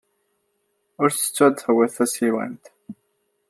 Ur ttettu ad tawyed tasiwant.